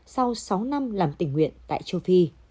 sau sáu năm làm tình nguyện tại châu phi